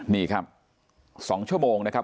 นี่ครับ๒ชั่วโมงนะครับ